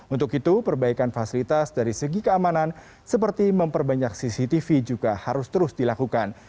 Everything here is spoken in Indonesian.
untuk itu perbaikan fasilitas dari segi keamanan seperti memperbanyak cctv juga harus terus dilakukan